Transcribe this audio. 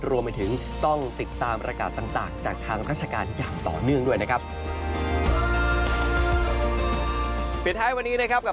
รวมไปถึงต้องติดตามประกาศต่างจากทางราชการอย่างต่อเนื่องด้วยนะครับ